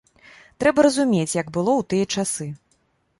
Трэба разумець, як было ў тыя часы.